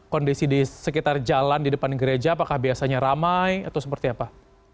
kondisi di sekitar jalan di depan gereja apakah biasanya ramai atau seperti apa